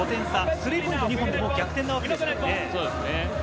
スリーポイント２本で逆転なわけですよね。